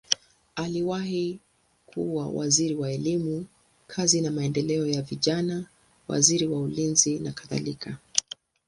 Aliwahi kuwa waziri wa elimu, kazi na maendeleo ya vijana, wizara ya ulinzi nakadhalika.